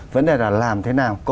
vấn đề là làm thế nào